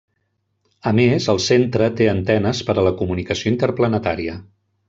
A més, el centre té antenes per a la comunicació interplanetària.